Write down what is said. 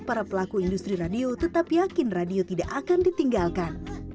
para pelaku industri radio tetap yakin radio tidak akan ditinggalkan